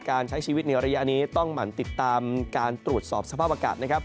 การใช้ชีวิตในระยะนี้ต้องหมั่นติดตามการตรวจสอบสภาพอากาศนะครับ